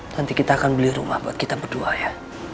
nanti kita akan beli rumah buat kita berdua ya